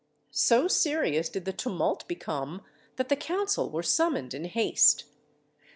So serious did the tumult become, that the council were summoned in haste.